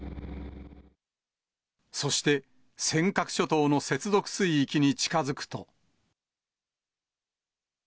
そして、尖閣諸島の接続水域に近づくと。